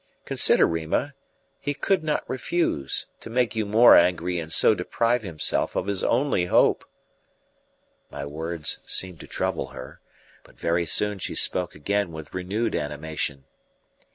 Consider, Rima, he could not refuse, to make you more angry and so deprive himself of his only hope." My words seemed to trouble her, but very soon she spoke again with renewed animation.